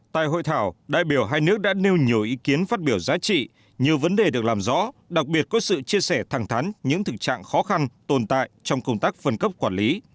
tại hội thảo đại biểu hai nước đã nêu nhiều ý kiến phát biểu giá trị nhiều vấn đề được làm rõ đặc biệt có sự chia sẻ thẳng thắn những thực trạng khó khăn tồn tại trong công tác phân cấp quản lý